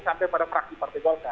sampai pada fraksi partai golkar